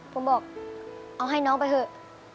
ผมบอกเอาให้น้องไปเถอะ